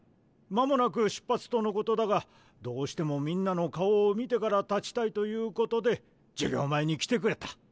間もなく出発とのことだがどうしてもみんなの顔を見てからたちたいということで授業前に来てくれた。